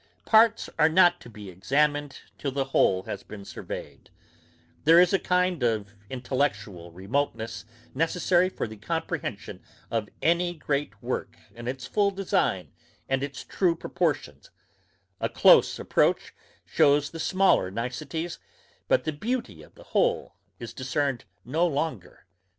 Parts are not to be examined till the whole has been surveyed; there is a kind of intellectual remoteness necessary for the comprehension of any great work in its full design and its true proportions; a close approach shews the smaller niceties, but the beauty of the whole is discerned no longer.